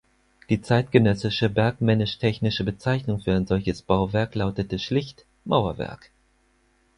Die zeitgenössische bergmännisch-technische Bezeichnung für ein solches Bauwerk lautete schlicht „Mauerwerk“.